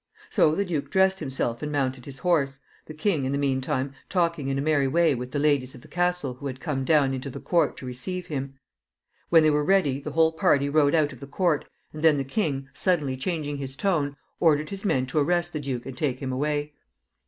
So the duke dressed himself and mounted his horse, the king, in the mean time, talking in a merry way with the ladies of the castle who had come down into the court to receive him. When they were ready the whole party rode out of the court, and then the king, suddenly changing his tone, ordered his men to arrest the duke and take him away.